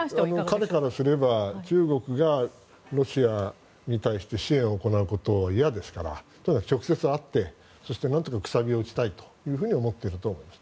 それは彼からすれば中国がロシアに対して支援を行うことは嫌ですから直接会ってなんとか楔を打ちたいと思っていると思います。